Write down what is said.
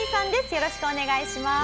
よろしくお願いします。